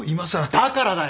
だからだよ！